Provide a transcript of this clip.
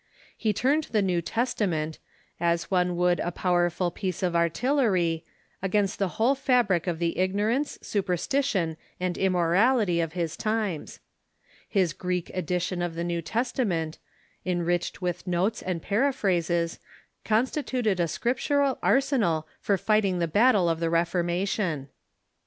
He turned the New Testament, as one would a powerful piece of artillery, against the whole fabric of the ignorance, superstition, and immorality of his times. His Greek edition of the New Tes tament, enriched with notes and paraphrases, constituted a scriptural arsenal for fighting the battle of the Reformation.